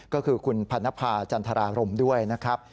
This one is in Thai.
ก็คือคุณพันนภาจันทรารมด้วยนะครับ